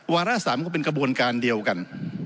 วาระ๓ก็เป็นกระบวนการเดียวกัน